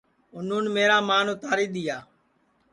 یوں میرا مان اُتاری دؔیا